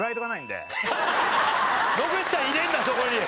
野口さん入れるなそこに！